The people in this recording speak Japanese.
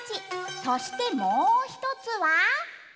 そしてもう一つは。